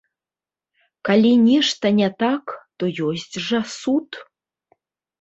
Калі нешта не так, то ёсць жа суд.